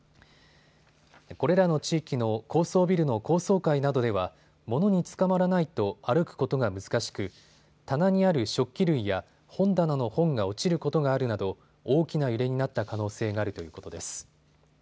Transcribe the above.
これらの地域の高層ビルの高層階などでは物につかまらないと歩くことが難しく棚による食器類や本棚の本が落ちることがあるなど大きな揺れになった可能性があるということです。